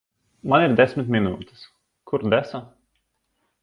Man ir desmit minūtes. Kur desa?